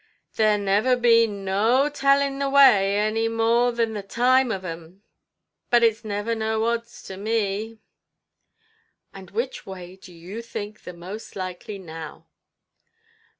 There never be no telling the wai, any more than the time of un. But itʼs never no odds to me". "And which way do you think the most likely now"?